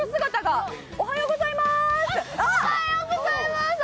あ、おはようございます。